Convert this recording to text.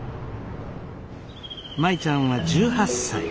舞ちゃんは１８歳。